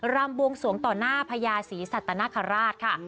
รำบวงสวงต่อหน้าพญาศรีสัตนคราชค่ะ